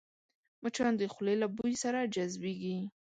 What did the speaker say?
مچان د خولې له بوی سره جذبېږي